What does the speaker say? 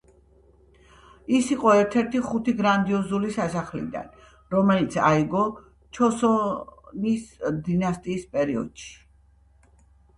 ის იყო ერთ-ერთი „ხუთი გრანდიოზული სასახლიდან“, რომელიც აიგო ჩოსონის დინასტიის პერიოდში.